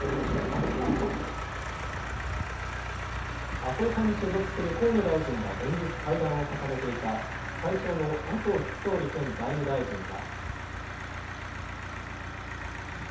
麻生派に所属する河野大臣が連日会談を重ねていた会長の麻生副総理兼財務大臣は。